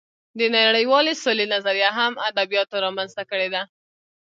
د نړۍوالې سولې نظریه هم ادبیاتو رامنځته کړې ده